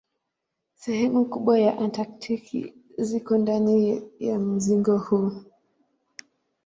Sehemu kubwa ya Antaktiki ziko ndani ya mzingo huu.